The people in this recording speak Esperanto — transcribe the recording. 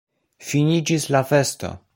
Finiĝis la festo.